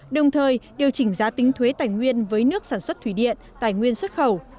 đồng thời điều chỉnh giá tính thuế tài nguyên với nước sản xuất thủy điện tài nguyên xuất khẩu